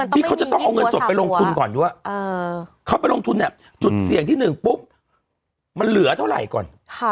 ที่เขาจะต้องเอาเงินสดไปลงทุนก่อนด้วยเขาไปลงทุนเนี่ยจุดเสี่ยงที่๑ปุ๊บมันเหลือเท่าไหร่ก่อน